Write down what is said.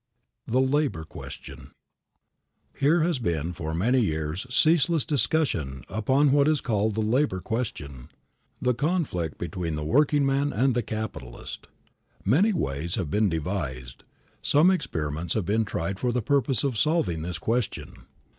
VI. THE LABOR QUESTION. HERE has been for many years ceaseless discussion upon what is called the labor question; the conflict between the workingman and the capitalist. Many ways have been devised, some experiments have been tried for the purpose of solving this question.